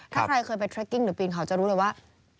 ถ้าใครเคยไปเทรกกิ้งหรือปีนเขาจะรู้เลยว่า